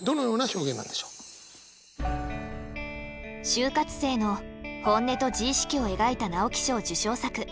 就活生の本音と自意識を描いた直木賞受賞作。